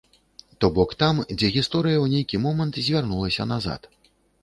То бок там, дзе гісторыя ў нейкі момант звярнулася назад.